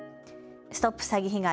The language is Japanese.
ＳＴＯＰ詐欺被害！